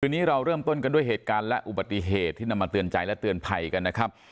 วันนี้เราเริ่มต้นกันด้วยเหตุการณ์และอุบัติเหตุที่นำมาเตือนใจและเตือนภัยกันนะครับ